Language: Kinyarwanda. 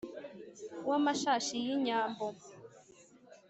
w’amashashi y’inyambo